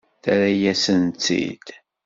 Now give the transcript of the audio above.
Terra-yasen-tt-id.